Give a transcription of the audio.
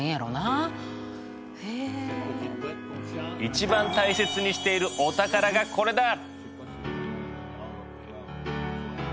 一番大切にしているお宝がこれだ！